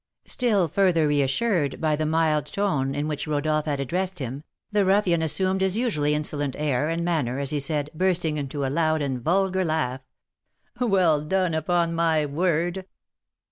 Still further reassured by the mild tone in which Rodolph had addressed him, the ruffian assumed his usually insolent air and manner as he said, bursting into a loud and vulgar laugh: "Well done, upon my word!